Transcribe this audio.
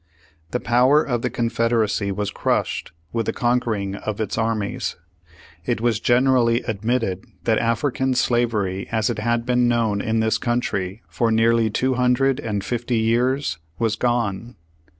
The power of the Confederacy was crushed with the conquering of its armies. It was gener ally admitted that African slavery as it had been known in this country for nearly two hundred and fifty years was gone.